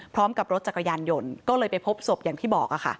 พร้อมกับรถจักรยานยนต์ก็เลยไปพบศพอย่างที่บอกค่ะ